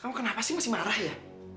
kamu kenapa sih masih marah ya